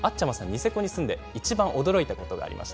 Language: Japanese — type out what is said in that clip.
ニセコに住んでいちばん驚いたことがあります。